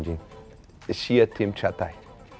เชียร์ทิ้งชะไทย